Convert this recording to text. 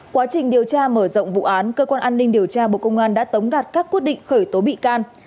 quá trình điều tra mở rộng vụ án cơ quan an ninh điều tra bộ công an đã tống đạt các quyết định khởi tố bị can